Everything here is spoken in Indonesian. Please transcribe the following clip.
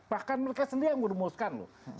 bahkan mereka sendiri yang merumuskan loh